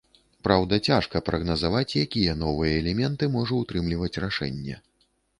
Праўда, цяжка прагназаваць, якія новыя элементы можа ўтрымліваць рашэнне.